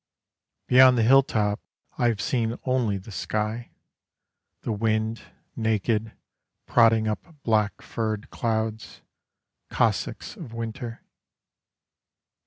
Beyond the hilltop I have seen only the sky. The wind, naked, prodding up black furred clouds, Cossacks of winter.